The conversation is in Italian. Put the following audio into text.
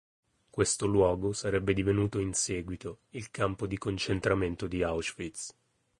Questo luogo sarebbe divenuto in seguito il campo di concentramento di Auschwitz.